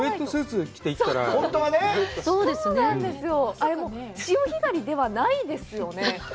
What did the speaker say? あれ、潮干狩りではないですよね。